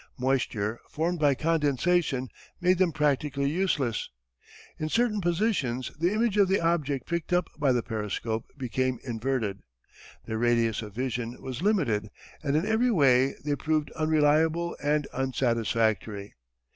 Moisture, formed by condensation, made them practically useless. In certain positions the image of the object picked up by the periscope became inverted. Their radius of vision was limited, and in every way they proved unreliable and unsatisfactory.